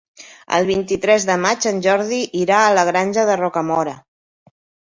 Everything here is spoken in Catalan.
El vint-i-tres de maig en Jordi irà a la Granja de Rocamora.